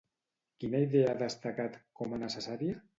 Quina idea ha destacat com a necessària?